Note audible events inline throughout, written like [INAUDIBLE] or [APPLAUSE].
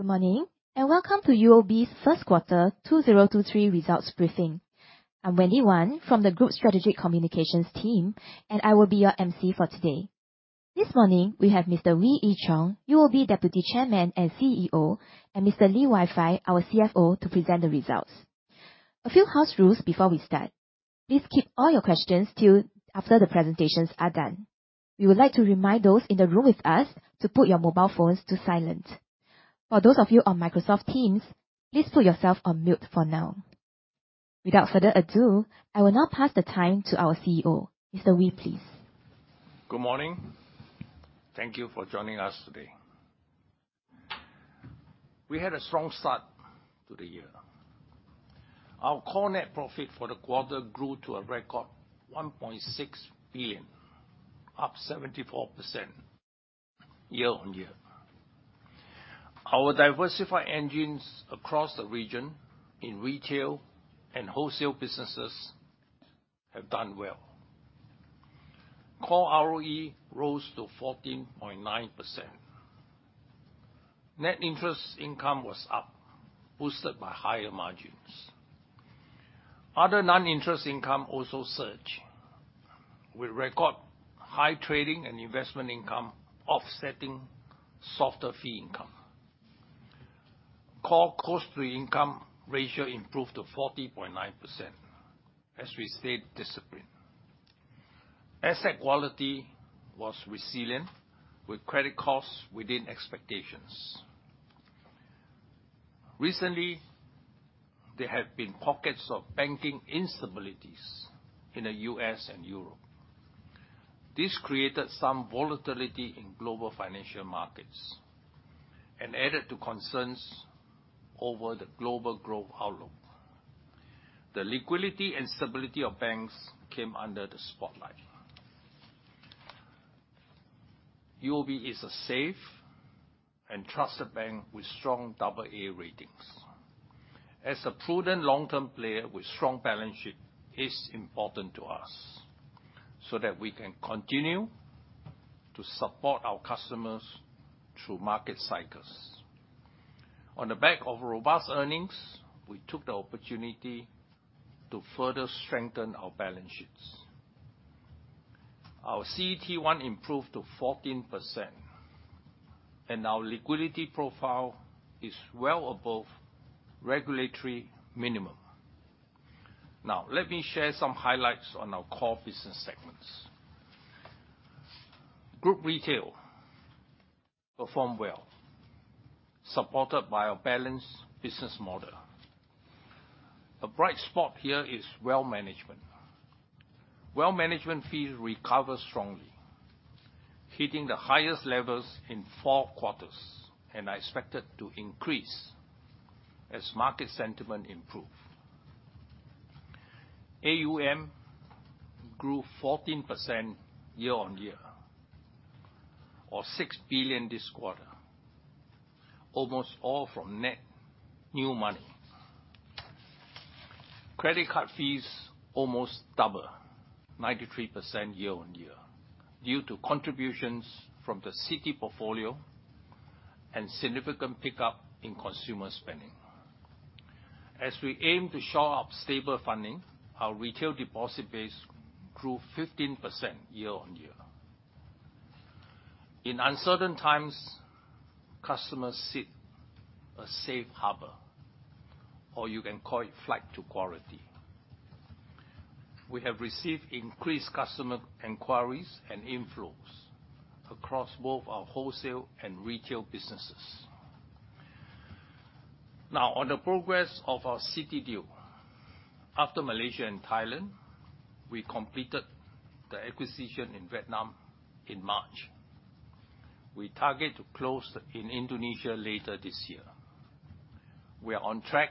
Good morning, welcome to UOB's First Quarter 2023 Results briefing. I'm Wendy Wan from the Group Strategic Communications team, and I will be your MC for today. This morning, we have Mr. Wee Ee Cheong, UOB Deputy Chairman and CEO, and Mr. Lee Wai Fai, our CFO, to present the results. A few house rules before we start. Please keep all your questions till after the presentations are done. We would like to remind those in the room with us to put your mobile phones to silent. For those of you on Microsoft Teams, please put yourself on mute for now. Without further ado, I will now pass the time to our CEO. Mr. Wee, please. Good morning. Thank you for joining us today. We had a strong start to the year. Our core net profit for the quarter grew to a record 1.6 billion, up 74% year-on-year. Our diversified engines across the region in retail and wholesale businesses have done well. Core ROE rose to 14.9%. Net interest income was up, boosted by higher margins. Other non-interest income also surged, with record high trading and investment income offsetting softer fee income. Core cost-to-income ratio improved to 40.9% as we stayed disciplined. Asset quality was resilient with credit costs within expectations. Recently, there have been pockets of banking instabilities in the U.S. and Europe. This created some volatility in global financial markets and added to concerns over the global growth outlook. The liquidity and stability of banks came under the spotlight. UOB is a safe and trusted bank with strong AA ratings. As a prudent long-term player with strong balance sheet is important to us, that we can continue to support our customers through market cycles. On the back of robust earnings, we took the opportunity to further strengthen our balance sheets. Our CET1 improved to 14%, our liquidity profile is well above regulatory minimum. Let me share some highlights on our core business segments. Group retail performed well, supported by our balanced business model. A bright spot here is wealth management. Wealth management fees recovered strongly, hitting the highest levels in four quarters and are expected to increase as market sentiment improve. AUM grew 14% year-on-year or 6 billion this quarter, almost all from net new money. Credit card fees almost double, 93% year-on-year, due to contributions from the Citi portfolio and significant pickup in consumer spending. As we aim to shore up stable funding, our retail deposit base grew 15% year-on-year. In uncertain times, customers seek a safe harbor, or you can call it flight to quality. We have received increased customer inquiries and inflows across both our wholesale and retail businesses. Now, on the progress of our Citi deal. After Malaysia and Thailand, we completed the acquisition in Vietnam in March. We target to close in Indonesia later this year. We are on track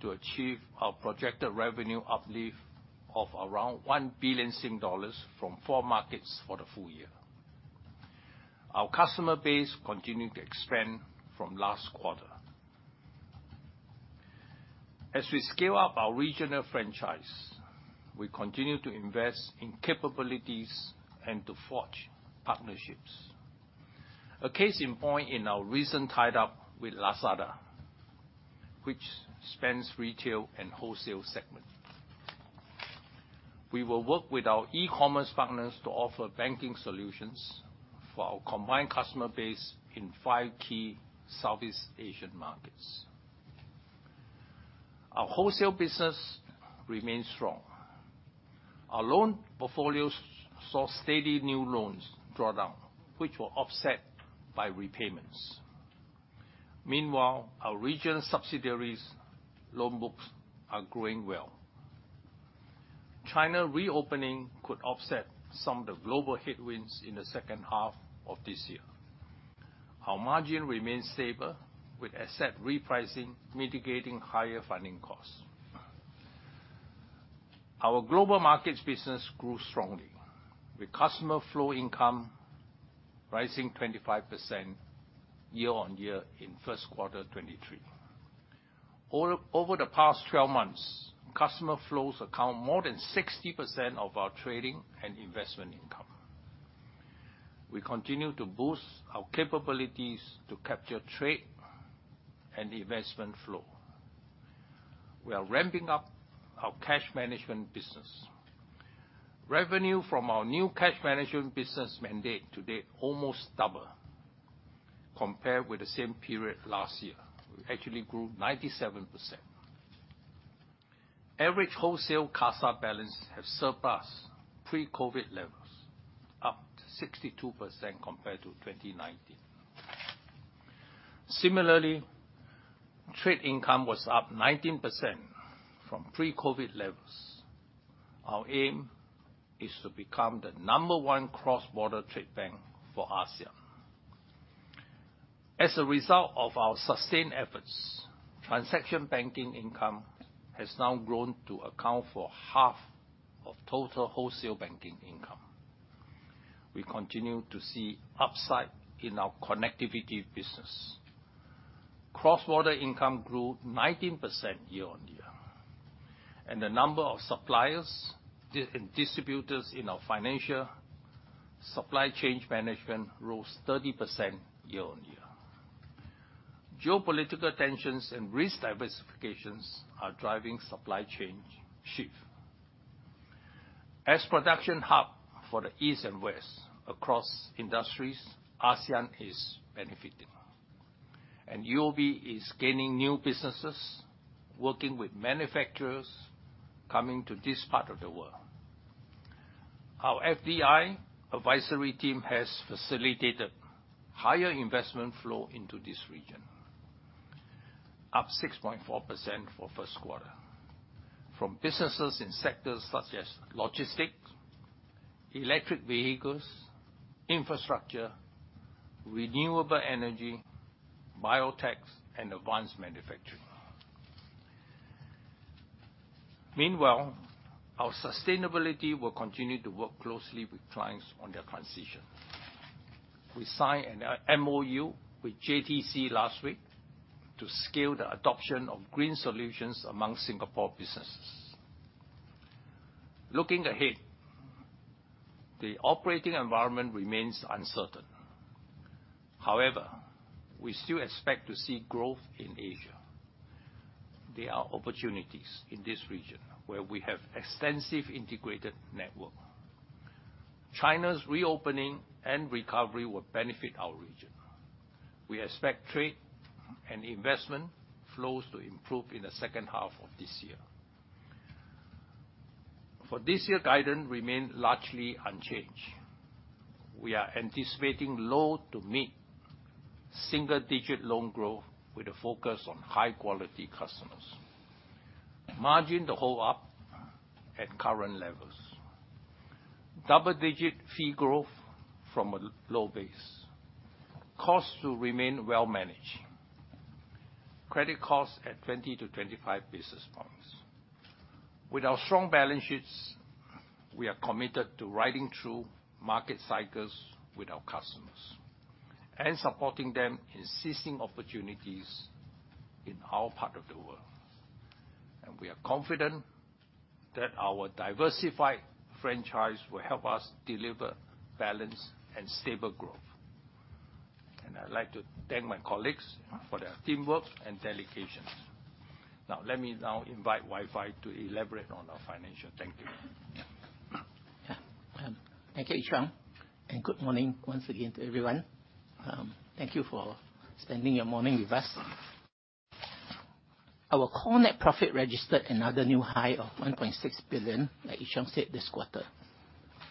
to achieve our projected revenue uplift of around 1 billion dollars from four markets for the full year. Our customer base continued to expand from last quarter. As we scale up our regional franchise, we continue to invest in capabilities and to forge partnerships. A case in point in our recent tied-up with Lazada, which spans retail and wholesale segment. We will work with our e-commerce partners to offer banking solutions for our combined customer base in five key Southeast Asian markets. Our wholesale business remains strong. Our loan portfolios saw steady new loans draw down, which were offset by repayments. Meanwhile, our regional subsidiaries' loan books are growing well. China reopening could offset some of the global headwinds in the second half of this year. Our margin remains stable with asset repricing mitigating higher funding costs. Our global markets business grew strongly, with customer flow income rising 25% year-on-year in first quarter 2023. The past 12 months, customer flows account more than 60% of our trading and investment income. We continue to boost our capabilities to capture trade and investment flow. We are ramping up our cash management business. Revenue from our new cash management business year-to-date almost double compared with the same period last year. We actually grew 97%. Average wholesale CASA balance has surpassed pre-COVID levels, up to 62% compared to 2019. Similarly, trade income was up 19% from pre-COVID levels. Our aim is to become the number one cross-border trade bank for ASEAN. As a result of our sustained efforts, transaction banking income has now grown to account for half of total wholesale banking income. We continue to see upside in our connectivity business. Cross-border income grew 19% year-on-year, and the number of suppliers and distributors in our financial supply chain management rose 30% year-on-year. Geopolitical tensions and risk diversifications are driving supply chain shift. As production hub for the east and west across industries, ASEAN is benefiting, and UOB is gaining new businesses, working with manufacturers coming to this part of the world. Our FDI advisory team has facilitated higher investment flow into this region, up 6.4% for first quarter, from businesses in sectors such as logistics, electric vehicles, infrastructure, renewable energy, biotech, and advanced manufacturing. Meanwhile, our sustainability will continue to work closely with clients on their transition. We signed an MOU with JTC last week to scale the adoption of green solutions among Singapore businesses. Looking ahead, the operating environment remains uncertain. However, we still expect to see growth in Asia. There are opportunities in this region where we have extensive integrated network. China's reopening and recovery will benefit our region. We expect trade and investment flows to improve in the second half of this year. For this year, guidance remain largely unchanged. We are anticipating low to mid-single digit loan growth with a focus on high-quality customers. Margin to hold up at current levels. Double-digit fee growth from a low base. Costs to remain well managed. Credit costs at 20 to 25 basis points. With our strong balance sheets, we are committed to riding through market cycles with our customers and supporting them in seizing opportunities in our part of the world. We are confident that our diversified franchise will help us deliver balanced and stable growth. I'd like to thank my colleagues for their teamwork and dedication. Now, let me now invite Wai Fai to elaborate on our financial. Thank you. Yeah. Thank you, Ee Cheong, good morning once again to everyone. Thank you for spending your morning with us. Our core net profit registered another new high of 1.6 billion, like Ee Cheong said, this quarter.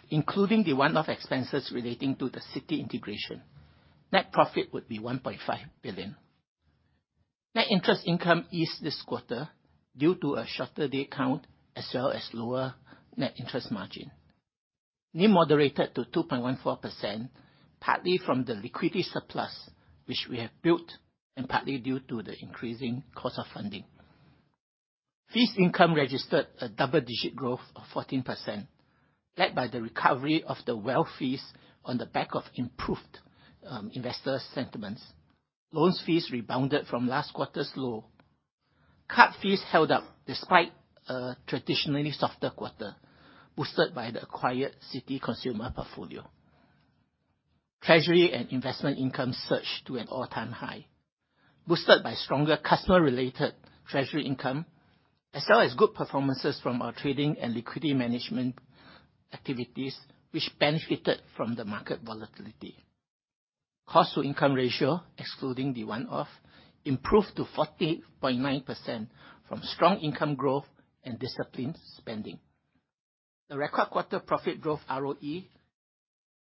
Including the one-off expenses relating to the Citi integration, net profit would be 1.5 billion. Net interest income is this quarter due to a shorter day count as well as lower net interest margin. NIM moderated to 2.14%, partly from the liquidity surplus, which we have built, and partly due to the increasing cost of funding. Fees income registered a double-digit growth of 14%, led by the recovery of the wealth fees on the back of improved investor sentiments. Loans fees rebounded from last quarter's low. Card fees held up despite a traditionally softer quarter, boosted by the acquired Citi consumer portfolio. Treasury and investment income surged to an all-time high, boosted by stronger customer-related treasury income, as well as good performances from our trading and liquidity management activities, which benefited from the market volatility. Cost-to-income ratio, excluding the one-off, improved to 40.9% from strong income growth and disciplined spending. The record quarter profit growth ROE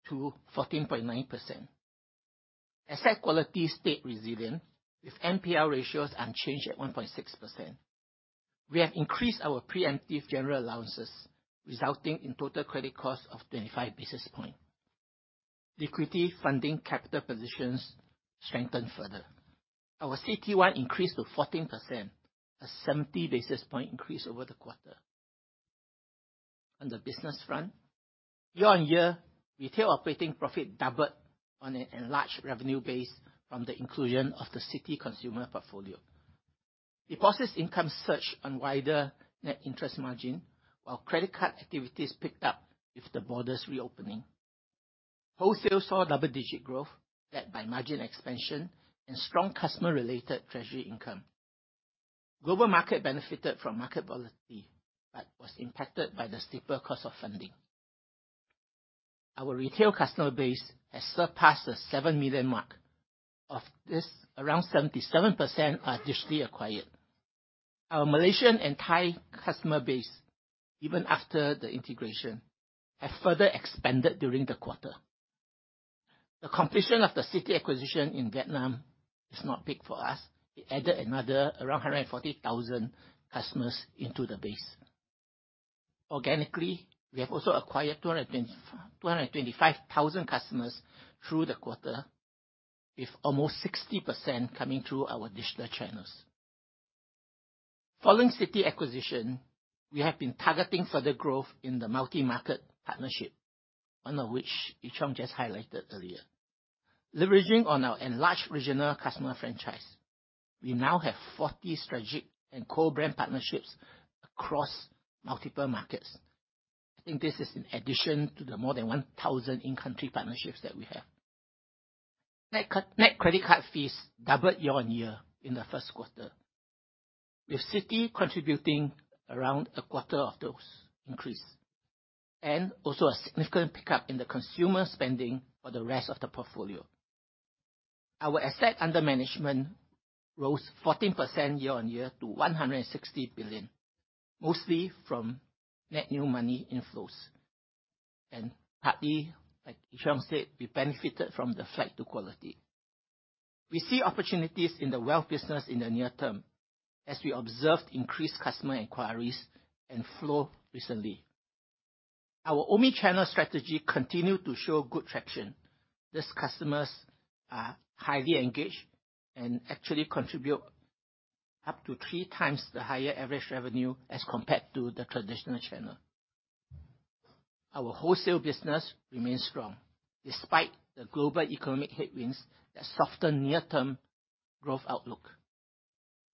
to 14.9%. Asset quality stayed resilient, with NPL ratios unchanged at 1.6%. We have increased our preemptive general allowances, resulting in total credit costs of 25 basis point. Liquidity funding capital positions strengthened further. Our CET1 increased to 14%, a 70 basis point increase over the quarter. On the business front, year-on-year retail operating profit doubled on an enlarged revenue base from the inclusion of the Citi consumer portfolio. Deposits income surged on wider net interest margin, while credit card activities picked up with the borders reopening. Wholesale saw double-digit growth led by margin expansion and strong customer-related treasury income. Global market benefited from market volatility, but was impacted by the steeper cost of funding. Our retail customer base has surpassed the 7 million mark. Of this, around 77% are digitally acquired. Our Malaysian and Thai customer base, even after the integration, have further expanded during the quarter. The completion of the Citi acquisition in Vietnam is not big for us. It added another around 140,000 customers into the base. Organically, we have also acquired 225,000 customers through the quarter, with almost 60% coming through our digital channels. Following Citi acquisition, we have been targeting further growth in the multi-market partnership, one of which Ee Cheong just highlighted earlier. Leveraging on our enlarged regional customer franchise, we now have 40 strategic and co-brand partnerships across multiple markets. This is in addition to the more than 1,000 in-country partnerships that we have. Net credit card fees doubled year-on-year in the first quarter, with Citi contributing around a quarter of those increase and also a significant pickup in the consumer spending for the rest of the portfolio. Our asset under management rose 14% year-on-year to 160 billion, mostly from net new money inflows. Partly, like Ee Cheong said, we benefited from the flight to quality. We see opportunities in the wealth business in the near term, as we observed increased customer inquiries and flow recently. Our omni-channel strategy continued to show good traction. These customers are highly engaged and actually contribute up to three times the higher average revenue as compared to the traditional channel. Our wholesale business remains strong despite the global economic headwinds that soften near-term growth outlook.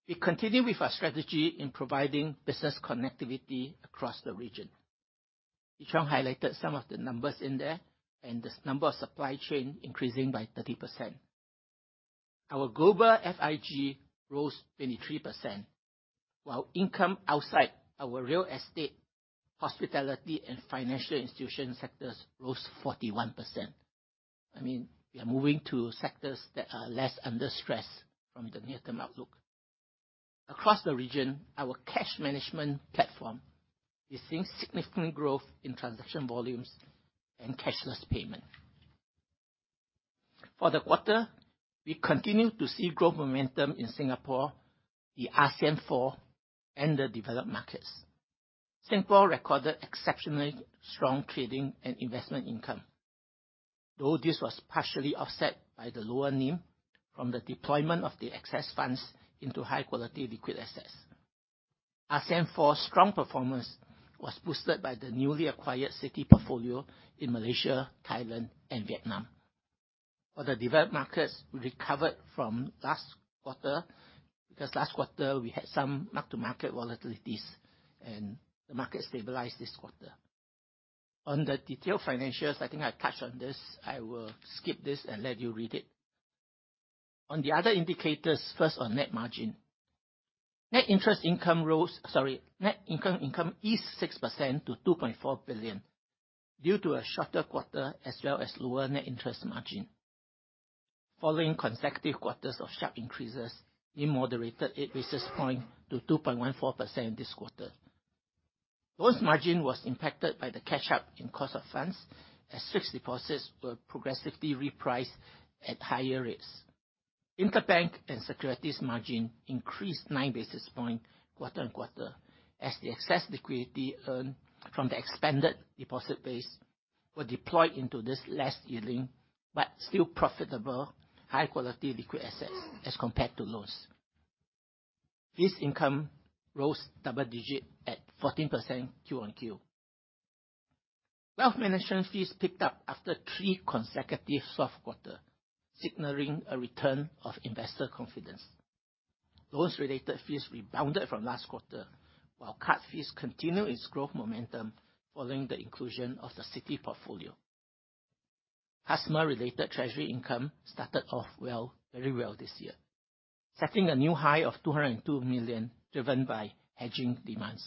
We continue with our strategy in providing business connectivity across the region. Ee Cheong highlighted some of the numbers in there, and the number of supply chain increasing by 30%. Our global FIG rose 23%, while income outside our real estate, hospitality, and financial institution sectors rose 41%. I mean, we are moving to sectors that are less under stress from the near-term outlook. Across the region, our cash management platform is seeing significant growth in transaction volumes and cashless payment. For the quarter, we continue to see growth momentum in Singapore, the ASEAN Four, and the developed markets. Singapore recorded exceptionally strong trading and investment income, though this was partially offset by the lower NIM from the deployment of the excess funds into high-quality liquid assets. ASEAN Four's strong performance was boosted by the newly acquired Citi portfolio in Malaysia, Thailand, and Vietnam. For the developed markets, we recovered from last quarter, because last quarter we had some mark-to-market volatilities, and the market stabilized this quarter. On the detailed financials, I think I touched on this. I will skip this and let you read it. On the other indicators, first on net margin. Net interest income rose, sorry, net income is 6% to 2.4 billion due to a shorter quarter as well as lower net interest margin. Following consecutive quarters of sharp increases, NIM moderated 8 basis point to 2.14% this quarter. Loans margin was impacted by the catch-up in cost of funds, as fixed deposits were progressively repriced at higher rates. Interbank and securities margin increased 9 basis points quarter on quarter as the excess liquidity earned from the expanded deposit base were deployed into this less yielding but still profitable high-quality liquid assets as compared to loans. Fees income rose double digit at 14% Q-on-Q. Wealth management fees picked up after three consecutive soft quarter, signaling a return of investor confidence. Loans-related fees rebounded from last quarter, while card fees continue its growth momentum following the inclusion of the Citi portfolio. Customer-related treasury income started off well, very well this year, setting a new high of 202 million driven by hedging demands.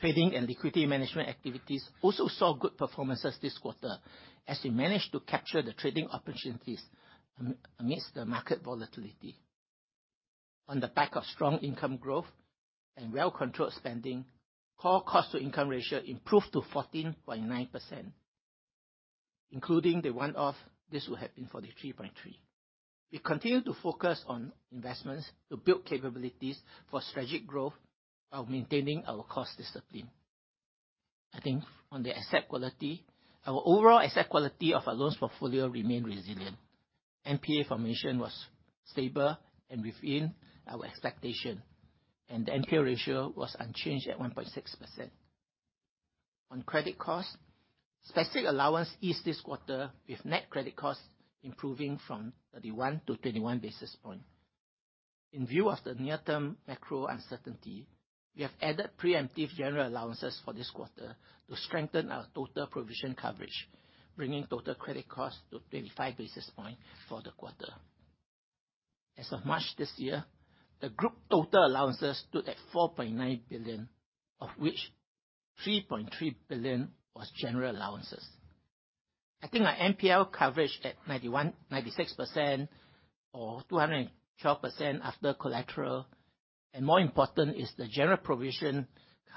Trading and liquidity management activities also saw good performances this quarter as we managed to capture the trading opportunities amidst the market volatility. On the back of strong income growth and well-controlled spending, core cost-to-income ratio improved to 14.9%. Including the one-off, this would have been 43.3%. We continue to focus on investments to build capabilities for strategic growth while maintaining our cost discipline. I think on the asset quality, our overall asset quality of our loans portfolio remain resilient. NPA formation was stable and within our expectation, and the NPL ratio was unchanged at 1.6%. On credit costs, specific allowance eased this quarter, with net credit costs improving from 31 to 21 basis points. In view of the near-term macro uncertainty, we have added preemptive general allowances for this quarter to strengthen our total provision coverage, bringing total credit costs to 25 basis points for the quarter. As of March this year, the group total allowances stood at 4.9 billion, of which 3.3 billion was general allowances. I think our NPL coverage at 96% or 212% after collateral, and more important is the general provision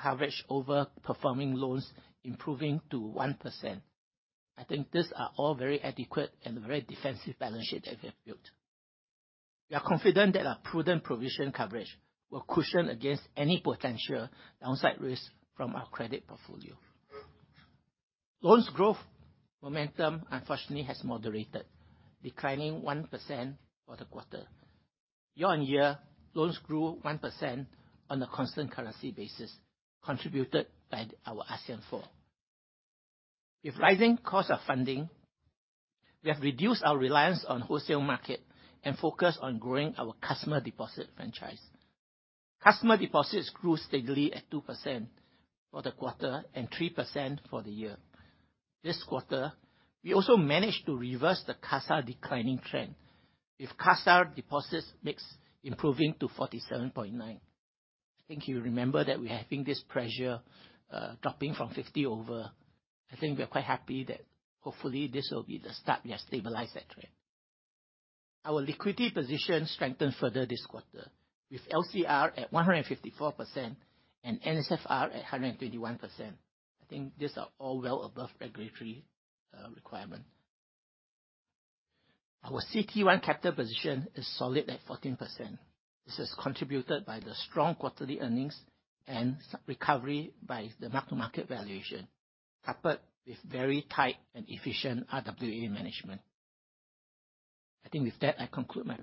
coverage over performing loans improving to 1%. I think these are all very adequate and very defensive balance sheet that we have built. We are confident that our prudent provision coverage will cushion against any potential downside risks from our credit portfolio. Loans growth momentum unfortunately has moderated, declining 1% for the quarter. Year-on-year, loans grew 1% on a constant currency basis, contributed by our ASEAN Four. With rising cost of funding, we have reduced our reliance on wholesale market and focused on growing our customer deposit franchise. Customer deposits grew steadily at 2% for the quarter and 3% for the year. This quarter, we also managed to reverse the CASA declining trend with CASA deposits mix improving to 47.9%. I think you remember that we are having this pressure, dropping from 50% over. I think we are quite happy that hopefully this will be the start, we have stabilized that trend. Our liquidity position strengthened further this quarter, with LCR at 154% and NSFR at 121%. I think these are all well above regulatory requirement. Our CET1 capital position is solid at 14%. This is contributed by the strong quarterly earnings and recovery by the mark-to-market valuation, coupled with very tight and efficient RWA management. I think with that, I conclude my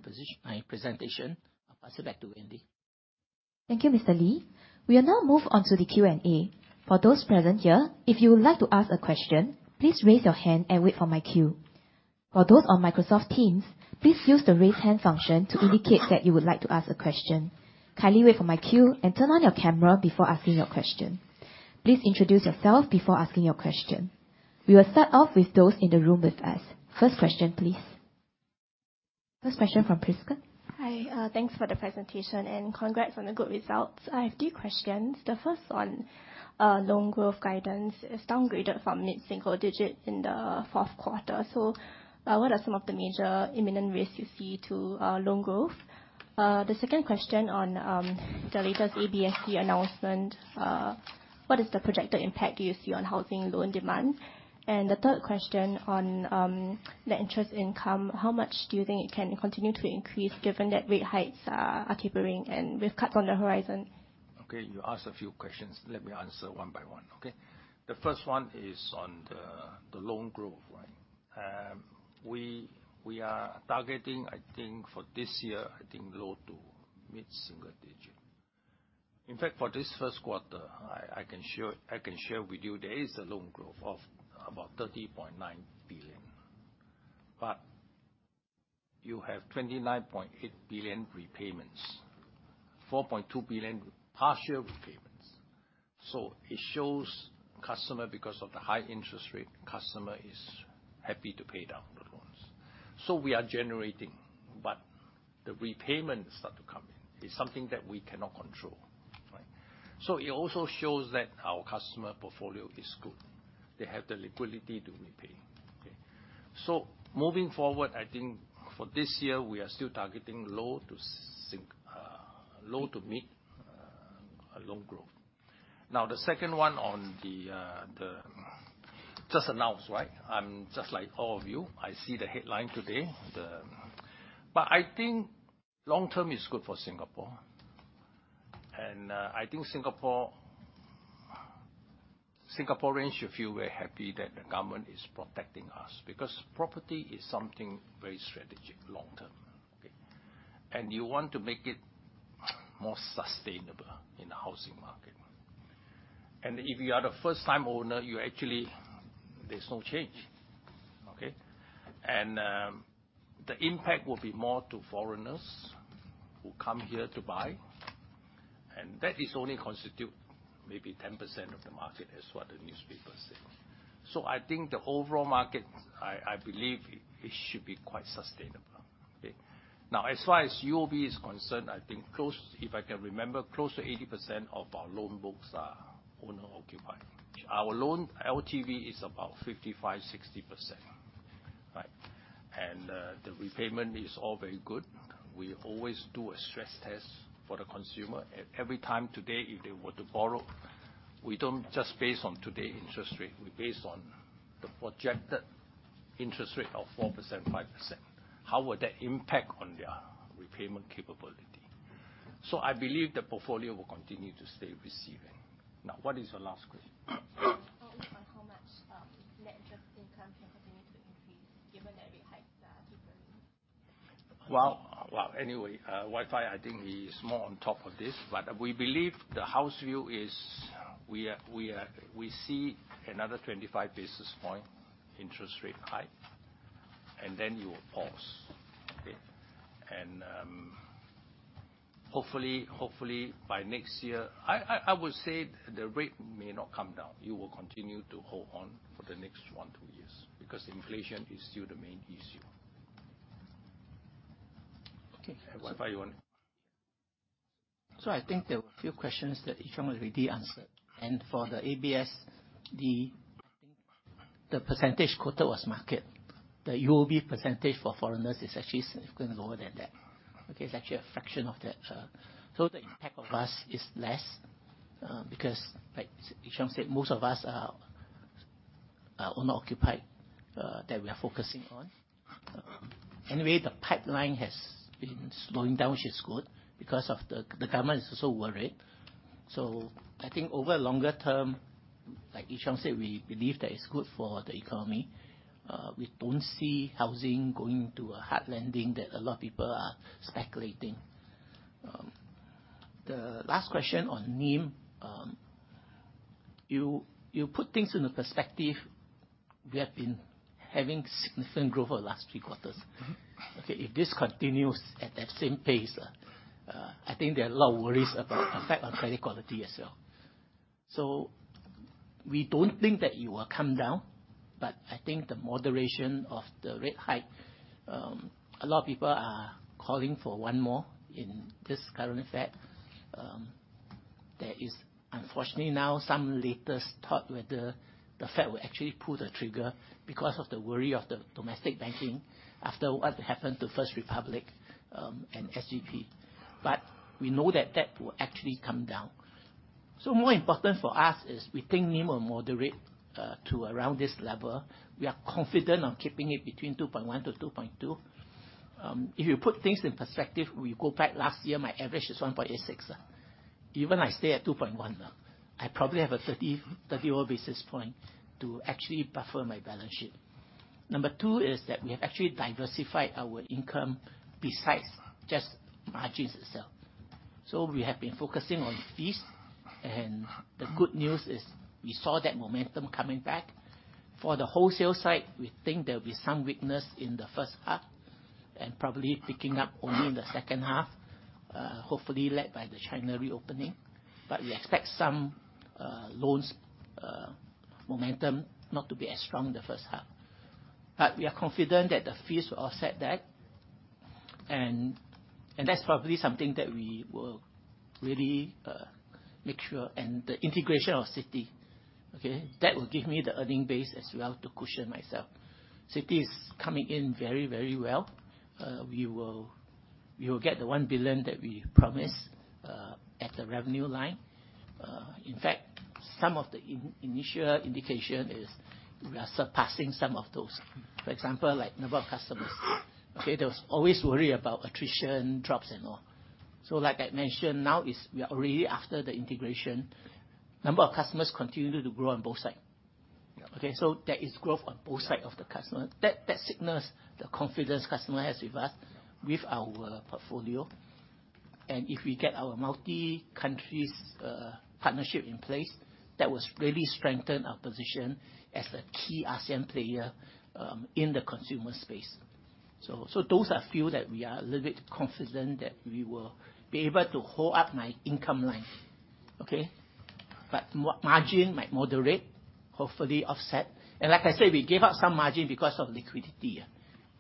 presentation. I'll pass it back to Wendy. Thank you, Mr. Lee. We will now move on to the Q&A. For those present here, if you would like to ask a question, please raise your hand and wait for my cue. For those on Microsoft Teams, please use the Raise Hand function to indicate that you would like to ask a question. Kindly wait for my cue and turn on your camera before asking your question. Please introduce yourself before asking your question. We will start off with those in the room with us. First question, please. First question from Prisca. Hi. Thanks for the presentation and congrats on the good results. I have three questions. The first on loan growth guidance. It's downgraded from mid-single digit in the fourth quarter. What are some of the major imminent risks you see to loan growth? The second question on the latest ABSD announcement, what is the projected impact you see on housing loan demand? The third question on the interest income, how much do you think it can continue to increase given that rate hikes are tapering and with cuts on the horizon? Okay, you asked a few questions. Let me answer one by one. Okay. The first one is on the loan growth, right? We are targeting, I think for this year, I think low to mid-single digit. In fact, for this first quarter, I can share with you there is a loan growth of about 30.9 billion. You have 29.8 billion repayments, 4.2 billion partial repayments. It shows customer, because of the high interest rate, customer is happy to pay down the loans. We are generating, but the repayments start to come in. It's something that we cannot control, right? It also shows that our customer portfolio is good. They have the liquidity to repay. Okay? Moving forward, I think for this year we are still targeting low to mid loan growth. The second one on the just announced, right? I'm just like all of you, I see the headline today. I think long term is good for Singapore. I think Singapore, Singaporeans should feel very happy that the government is protecting us because property is something very strategic long term. Okay? You want to make it more sustainable in the housing market. If you are a first time owner, you actually, there's no change. Okay? The impact will be more to foreigners who come here to buy, and that is only constitute maybe 10% of the market, is what the newspaper say. I think the overall market, I believe it should be quite sustainable. Okay? As far as UOB is concerned, I think if I can remember, close to 80% of our loan books are owner-occupied. Our loan LTV is about 55%-60%. Right? The repayment is all very good. We always do a stress test for the consumer. At every time today, if they were to borrow, we don't just base on today interest rate. We base on the projected interest rate of 4%, 5%. How would that impact on their repayment capability? I believe the portfolio will continue to stay receiving. What is your last question? Much, net interest income can continue to increase given that rate hikes are different. Well, anyway, Wai Fai, I think he's more on top of this. We believe the house view is we are, we see another 25 basis point interest rate hike, and then you will pause. Okay? Hopefully by next year, I would say the rate may not come down. You will continue to hold on for the next one, two years, because inflation is still the main issue. Okay. Wai Fai, you want? I think there were a few questions that Ee Cheong already answered. For the ABSD, the percentage quoted was market. The UOB percentage for foreigners is actually significantly lower than that. Okay? It is actually a fraction of that, so the impact on us is less, because, like Ee Cheong said, most of us are owner occupied that we are focusing on. The pipeline has been slowing down, which is good because of the government is so worried. I think over longer term, like Ee Cheong said, we believe that it is good for the economy. We do not see housing going to a hard landing that a lot of people are speculating. The last question on NIM, you put things into perspective. We have been having significant growth over the last three quarters. Mm-hmm. Okay. If this continues at that same pace, I think there are a lot of worries about effect on credit quality as well. We don't think that it will come down, but I think the moderation of the rate hike, a lot of people are calling for one more in this current Fed. There is unfortunately now some latest thought whether the Fed will actually pull the trigger because of the worry of the domestic banking after what happened to First Republic and SVB. We know that that will actually come down. More important for us is we think NIM will moderate to around this level. We are confident on keeping it between 2.1%-2.2%. If you put things in perspective, we go back last year, my average is 1.86%. Even I stay at 2.1%, I probably have a 30, 31 basis points to actually buffer my balance sheet. Number two is that we have actually diversified our income besides just margins itself. We have been focusing on fees, and the good news is we saw that momentum coming back. For the wholesale side, we think there will be some weakness in the first half and probably picking up only in the second half, hopefully led by the China reopening. We expect some loans momentum not to be as strong in the first half. We are confident that the fees will offset that and that's probably something that we will really make sure. The integration of Citi, okay, that will give me the earning base as well to cushion myself. Citi is coming in very, very well. We will get the 1 billion that we promised at the revenue line. In fact, some of the initial indication is we are surpassing some of those. For example, like number of customers. Okay? There was always worry about attrition, drops and all. Like I mentioned, now is, we are already after the integration, number of customers continue to grow on both sides. Yeah. Okay? There is growth on both sides of the customer. That signals the confidence customer has with us, with our portfolio. If we get our multi-countries partnership in place, that will really strengthen our position as a key ASEAN player in the consumer space. Those are few that we are a little bit confident that we will be able to hold up my income line. Okay? Margin might moderate, hopefully offset. Like I said, we gave up some margin because of liquidity.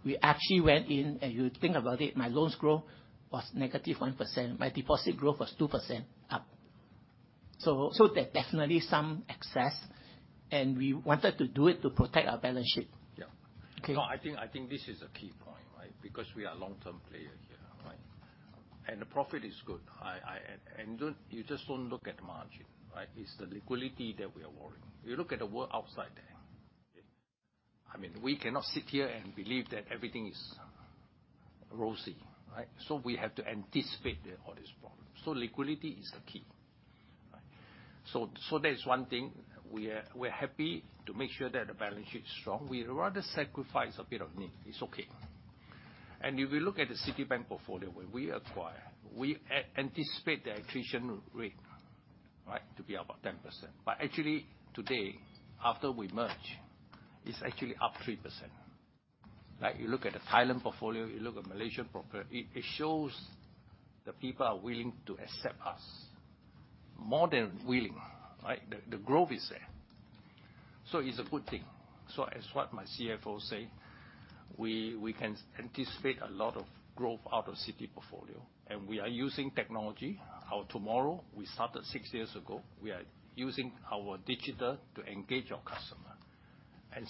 We actually went in, and you think about it, my loans growth was -1%. My deposit growth was 2% up. There's definitely some excess, and we wanted to do it to protect our balance sheet. Yeah. Okay. No, I think, I think this is a key point, right. Because we are a long-term player here, right. The profit is good. You just don't look at margin, right. It's the liquidity that we are worrying. You look at the world outside there. Okay. I mean, we cannot sit here and believe that everything is rosy, right. We have to anticipate all these problems. Liquidity is the key. Right. That is one thing. We are happy to make sure that the balance sheet is strong. We rather sacrifice a bit of NIM. It's okay. If you look at the Citibank portfolio when we acquire, we anticipate the attrition rate, right, to be about 10%. Actually, today, after we merge, it's actually up 3%, right. You look at the Thailand portfolio, you look at Malaysian proper, it shows the people are willing to accept us. More than willing, right? The growth is there. It's a good thing. As what my CFO say, we can anticipate a lot of growth out of Citi portfolio. We are using technology. Our TMRW, we started six years ago. We are using our digital to engage our customer.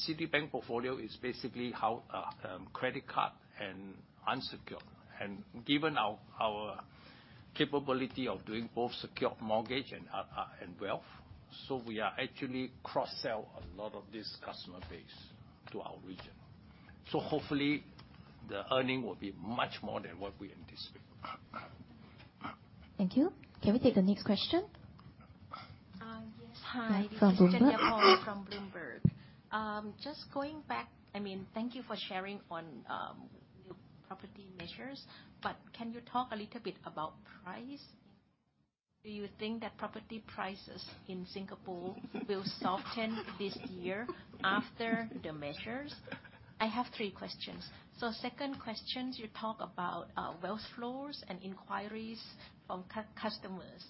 Citibank portfolio is basically how credit card and unsecured. Given our capability of doing both secured mortgage and wealth, we are actually cross-sell a lot of this customer base to our region. Hopefully, the earning will be much more than what we anticipate. Thank you. Can we take the next question? Yes. Hi. From Bloomberg. This is [CROSSTALK] from Bloomberg. Just going back, thank you for sharing on new property measures. Can you talk a little bit about price? Do you think that property prices in Singapore will soften this year after the measures? I have three questions. Second question, you talk about wealth flows and inquiries from customers.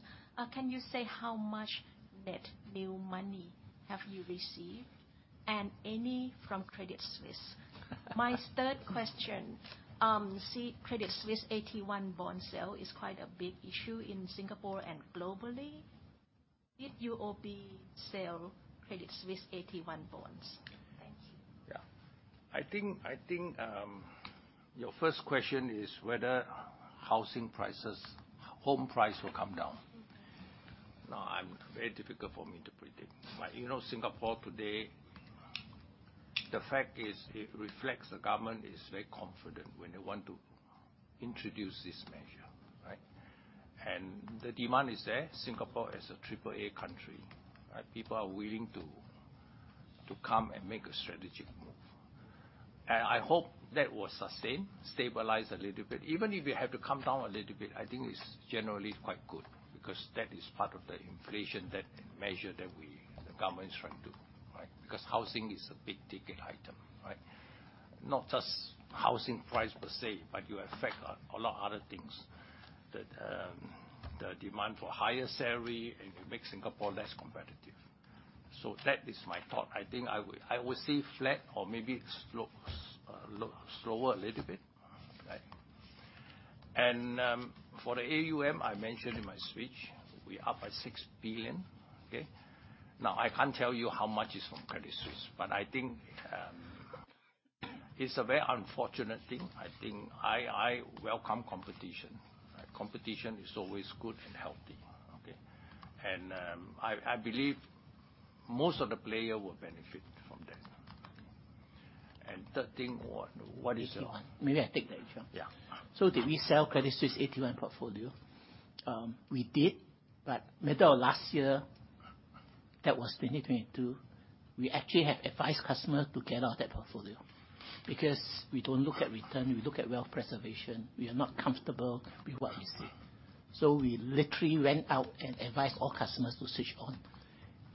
Can you say how much net new money have you received, and any from Credit Suisse? My third question, Credit Suisse AT1 bond sale is quite a big issue in Singapore and globally. Did UOB sell Credit Suisse AT1 bonds? Thank you. Yeah. I think your first question is whether housing prices, home price will come down. Very difficult for me to predict. You know, Singapore today, the fact is it reflects the government is very confident when they want to introduce this measure, right? The demand is there. Singapore is a AAA country, right? People are willing to come and make a strategic move. I hope that will sustain, stabilize a little bit. Even if it have to come down a little bit, I think it's generally quite good, because that is part of the inflation measure that the government is trying to, right? Housing is a big-ticket item, right? Not just housing price per se, but you affect a lot of other things. The demand for higher salary, you make Singapore less competitive. That is my thought. I think I would see flat or maybe slower a little bit, right? For the AUM, I mentioned in my speech, we're up by 6 billion, okay? I can't tell you how much is from Credit Suisse, but I think it's a very unfortunate thing. I welcome competition, right? Competition is always good and healthy, okay? I believe most of the player will benefit from that. Third thing was, what is the? Maybe I'll, maybe I take that, Ee Cheong. Yeah. Did we sell Credit Suisse AT1 portfolio? We did, but middle of last year, that was 2022, we actually had advised customers to get out of that portfolio because we don't look at return, we look at wealth preservation. We are not comfortable with what we see. We literally went out and advised all customers to switch on.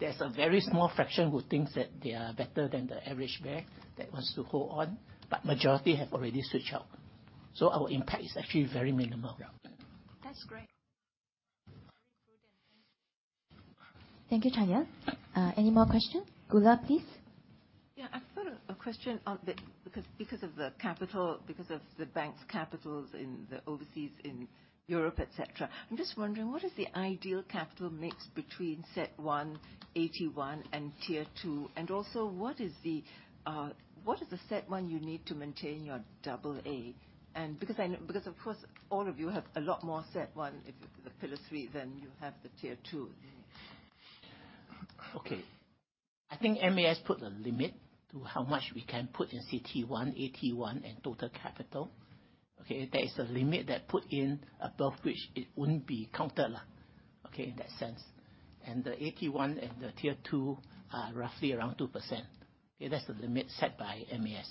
There's a very small fraction who thinks that they are better than the average bear that wants to hold on, but majority have already switched out. Our impact is actually very minimal. Yeah. That's great. Very prudent. Thank you. Thank you, [Tanya]. Any more question? [Goola], please. Yeah. I've got a question on the because of the bank's capitals in the overseas, in Europe, et cetera. I'm just wondering, what is the ideal capital mix between CET1, AT1, and Tier 2? what is the CET1 you need to maintain your AA? because of course all of you have a lot more CET1 if the Pillar 3, then you have the Tier 2. Okay. I think MAS put a limit to how much we can put in CET1, AT1, and total capital. Okay? There is a limit they put in above which it wouldn't be counted in that sense. The AT1 and the Tier 2 are roughly around 2%, okay? That's the limit set by MAS,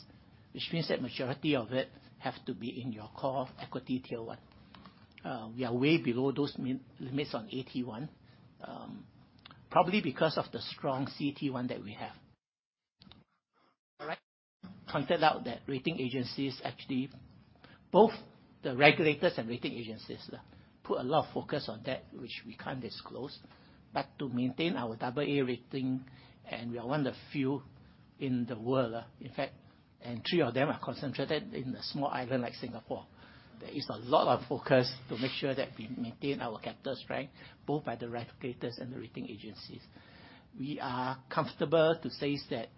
which means that majority of it have to be in your core equity Tier 1. We are way below those min-limits on AT1, probably because of the strong CET1 that we have. Correct. Turned out that rating agencies, actually both the regulators and rating agencies, put a lot of focus on that which we can't disclose. To maintain our AA rating, and we are one of the few in the world, in fact, and three of them are concentrated in a small island like Singapore. There is a lot of focus to make sure that we maintain our capital strength, both by the regulators and the rating agencies. We are comfortable to say is that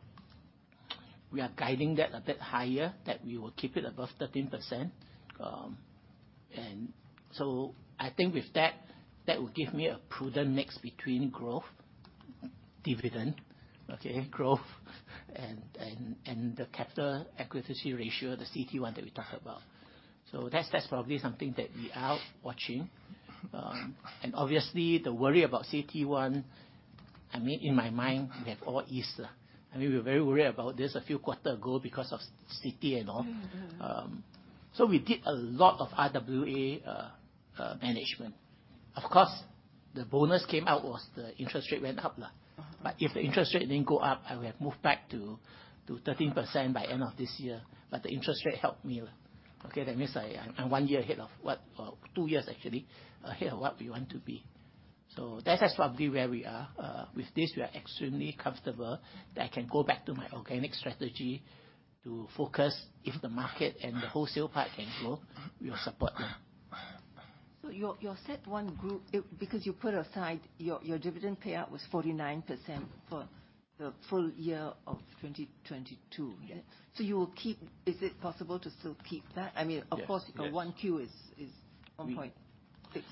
we are guiding that a bit higher, that we will keep it above 13%. I think with that will give me a prudent mix between growth, dividend, okay, growth and the capital equity ratio, the CET1 that we talked about. That's probably something that we are watching. Obviously the worry about CET1, I mean, in my mind they have all eased. I mean, we're very worried about this a few quarter ago because of Citi and all. Mm-hmm. We did a lot of RWA management. Of course, the bonus came out was the interest rate went up now. Mm-hmm. If the interest rate didn't go up, I would have moved back to 13% by end of this year. The interest rate helped me. Okay? That means I'm one year ahead of what, two years actually, ahead of what we want to be. That is probably where we are. With this, we are extremely comfortable that I can go back to my organic strategy to focus if the market and the wholesale part can grow, we will support that. Your CET1 group, because you put aside your dividend payout was 49% for the full year of 2022. Yes. Is it possible to still keep that? I mean. Yes. Yes. Of course, your 1Q is 1.6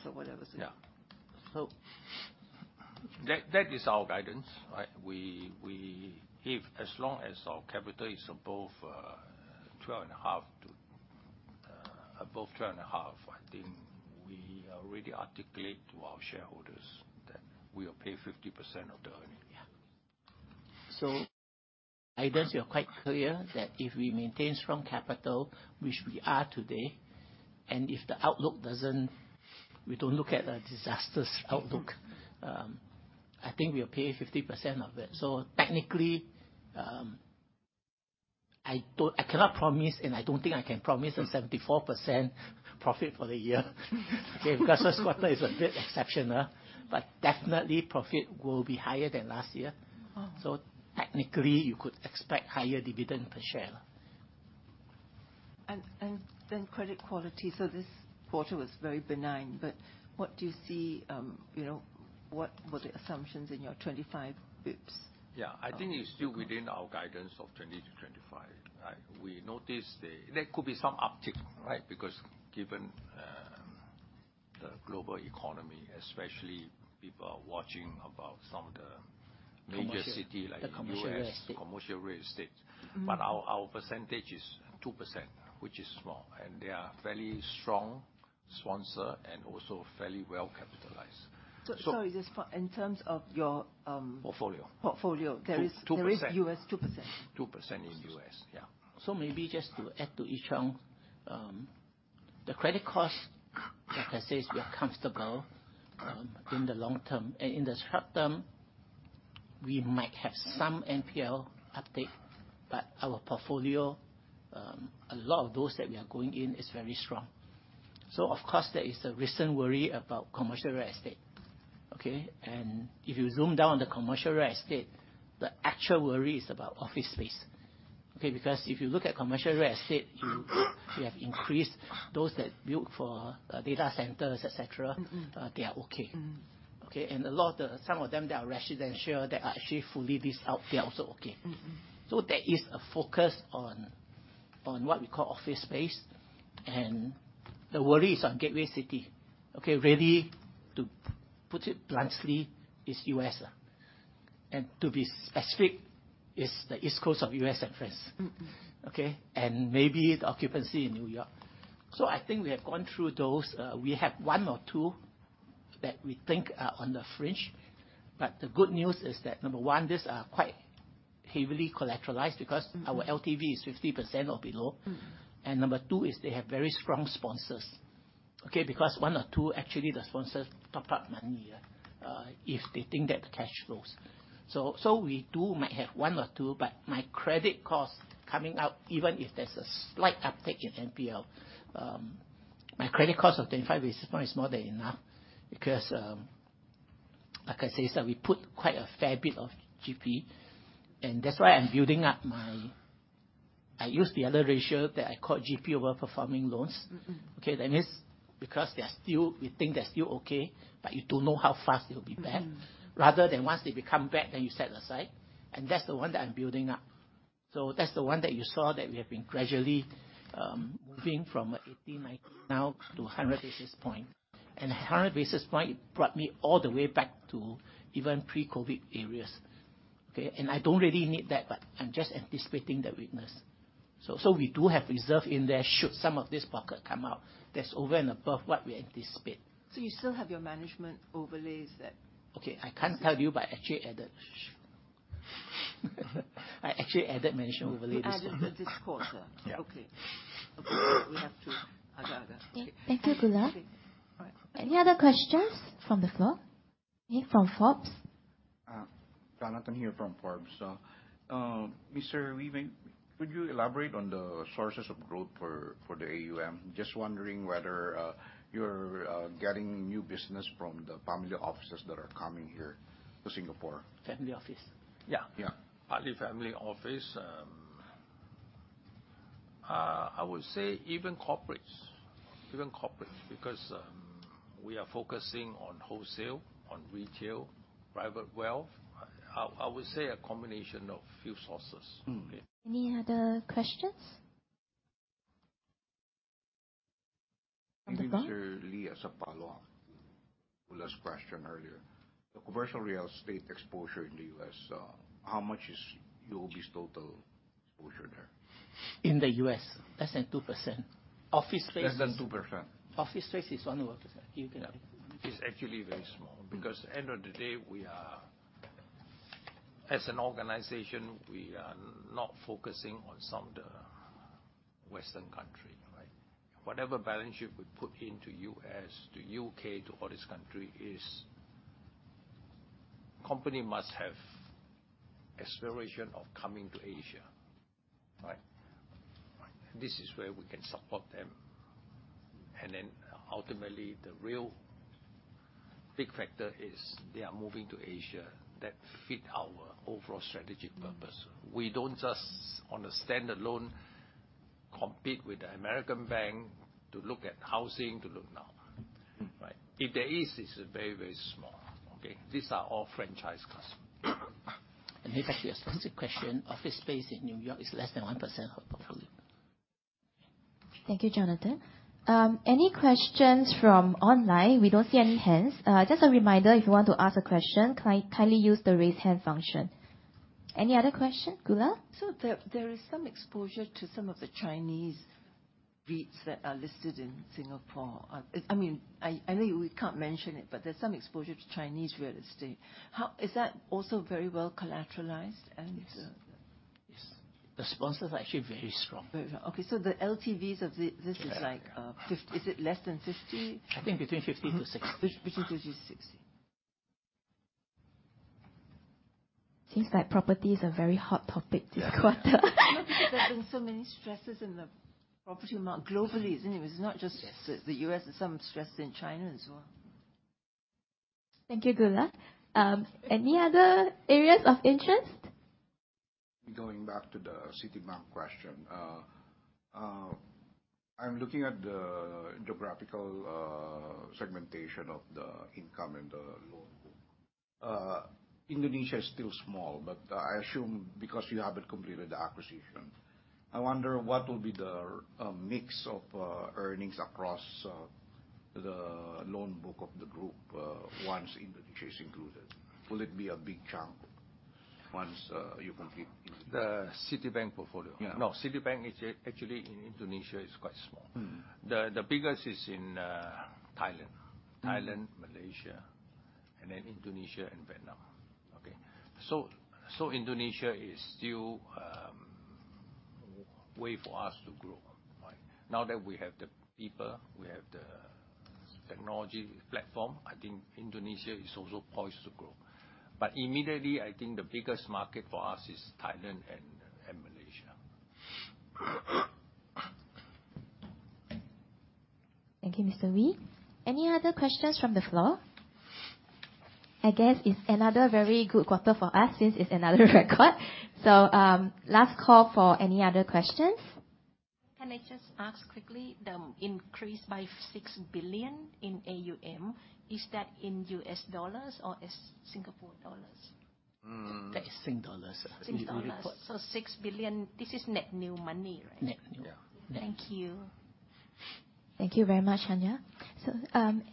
or whatever, so. Yeah. That is our guidance, right? We if as long as our capital is above 12.5 to above 12.5, I think we already articulate to our shareholders that we'll pay 50% of the earning. Yeah. I guess we are quite clear that if we maintain strong capital, which we are today, and if the outlook don't look at a disastrous outlook, I think we'll pay 50% of it. Technically, I cannot promise, and I don't think I can promise a 74% profit for the year. Okay? Because this quarter is a bit exceptional, but definitely profit will be higher than last year. Wow. Technically, you could expect higher dividend per share. Then credit quality. This quarter was very benign. What do you see, you know, what were the assumptions in your 25 basis points? Yeah. I think it's still within our guidance of 20%-25%. Right? We noticed there could be some uptick, right? Given the global economy, especially people are watching about some of the major city like U.S.. The commercial real estate. Mm-hmm. Our percentage is 2%, which is small, and they are fairly strong sponsor and also fairly well capitalized. Sorry, just in terms of your. Portfolio. Portfolio, there is. 2%. U.S. 2%. 2% in U.S., yeah. Maybe just to add to Ee Cheong, the credit cost, like I said, we are comfortable in the long term. In the short term, we might have some NPL uptick, but our portfolio, a lot of those that we are going in is very strong. Of course there is a recent worry about commercial real estate, okay? If you zoom down the commercial real estate, the actual worry is about office space. Because if you look at commercial real estate, you have increased those that build for data centers, et cetera. Mm-hmm. They are okay. Mm-hmm. Okay? A lot of some of them, they are residential, they are actually fully leased out, they are also okay. Mm-hmm. There is a focus on what we call office space, and the worry is on gateway cities, okay? Really, to put it bluntly, is U.S.A.. To be specific, it's the East Coast of U.S. and first. Mm-hmm. Okay? Maybe the occupancy in New York. I think we have gone through those. We have one or two that we think are on the fringe, but the good news is that, number one, these are quite heavily collateralized because our LTV is 50% or below. Mm-hmm. Number two is they have very strong sponsors. Okay? One or two, actually, the sponsors top up money if they think that the cash flows. We do might have one or two, but my credit cost coming out, even if there's a slight uptick in NPL, my credit cost of 25 basis point is more than enough because, like I said, so we put quite a fair bit of GP, and that's why I'm building up my, I use the other ratio that I call GP over performing loans. Mm-hmm. Okay? That means because they are still We think they're still okay, but you don't know how fast it'll be back. Mm-hmm. Rather than once they become back, then you set aside, and that's the one that I'm building up. That's the one that you saw that we have been gradually moving from 18, 19 now to 100 basis point. 100 basis point brought me all the way back to even pre-COVID areas. Okay? I don't really need that, but I'm just anticipating the weakness. We do have reserve in there should some of this pocket come out that's over and above what we anticipate. You still have your management overlays. I can't tell you, but I actually added management overlays. You added this quarter? Yeah. Okay. Okay. Jonathan here from Forbes. Mr. Wee, could you elaborate on the sources of growth for the AUM? Just wondering whether you're getting new business from the family offices that are coming here to Singapore. Family office? Yeah. Yeah. Partly family office. I would say even corporates, because we are focusing on wholesale, on retail, private wealth. I would say a combination of few sources. Mm-hmm. Okay? Any other questions? From the back. Mr. Lee, as a follow-up to [Goola's] question earlier, the commercial real estate exposure in the US, how much is UOB's total exposure there? In the U.S., less than 2%. Office space is. Less than 2%? Office space is 1%. You can add. It's actually very small. Mm-hmm. End of the day, as an organization, we are not focusing on some of the western country, right? Whatever balance sheet we put into U.S. to U.K., to all this country is company must have aspiration of coming to Asia. Right? Right. This is where we can support them. Ultimately, the real big factor is they are moving to Asia. That fit our overall strategic purpose. We don't just, on a stand-alone, compete with the American bank to look at housing, to look now. Mm-hmm. Right? If there is, it's very, very small. Okay? These are all franchise customers. Maybe a specific question. Office space in New York is less than 1% of the portfolio. Thank you, Jonathan. Any questions from online? We don't see any hands. Just a reminder, if you want to ask a question, kindly use the Raise Hand function. Any other question? [Goola]? There is some exposure to some of the Chinese REITs that are listed in Singapore. I mean, I know we can't mention it, but there's some exposure to Chinese real estate. Is that also very well collateralized and? Yes. Yes. The sponsors are actually very strong. Okay, the LTVs of this is like. Yeah. Is it less than 50? I think between 50 to 60. Mm-hmm. Between 50 to 60. Seems like property is a very hot topic this quarter. You know, because there's been so many stresses in the property market globally, isn't it? It's not just. Yes The U.S., there's some stress in China as well. Thank you, [Goola]. Any other areas of interest? Going back to the Citibank question. I'm looking at the geographical segmentation of the income and the loan book. Indonesia is still small, but I assume because you haven't completed the acquisition, I wonder what will be the mix of earnings across the loan book of the group once Indonesia is included. Will it be a big chunk once you complete Indonesia? The Citibank portfolio? Yeah. No, Citibank is, actually in Indonesia is quite small. Mm-hmm. The biggest is in Thailand. Mm-hmm. Thailand, Malaysia, and then Indonesia and Vietnam. Okay? Indonesia is still way for us to grow. Right? Now that we have the people, we have the technology platform, I think Indonesia is also poised to grow. Immediately, I think the biggest market for us is Thailand and Malaysia. Thank you, Mr. Wee. Any other questions from the floor? I guess it's another very good quarter for us, since it's another record. Last call for any other questions. Can I just ask quickly, the increase by 6 billion in AUM, is that in US dollars or it's Singapore dollars? Mm. That is Singapore dollars. In the report. Sing dollars. 6 billion, this is net new money, right? Net new. Yeah. Thank you. Thank you very much, [Tanya].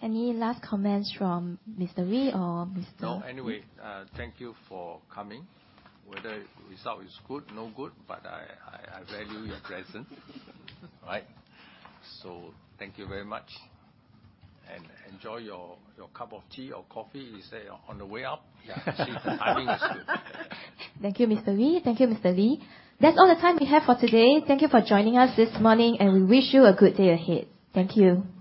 Any last comments from Mr. Wee? No. Anyway, thank you for coming. Whether result is good, no good, but I value your presence. Right? Thank you very much and enjoy your cup of tea or coffee, you say, on the way out. Yeah. See if the timing is good. Thank you, Mr. Wee. Thank you, Mr. Lee. That's all the time we have for today. Thank you for joining us this morning, and we wish you a good day ahead. Thank you.